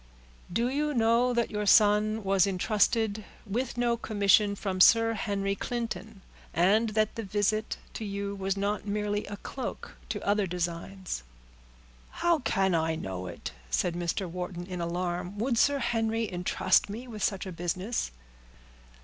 "Do you know that your son was intrusted with no commission from Sir Henry Clinton, and that the visit to you was not merely a cloak to other designs?" "How can I know it?" said Mr. Wharton, in alarm. "Would Sir Henry intrust me with such a business?"